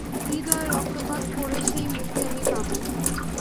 হৃদয়ের রক্তপাত করে সেই মুক্তি আমি পাব।